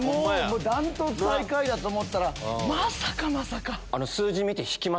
断トツ最下位だと思ったらまさかまさか！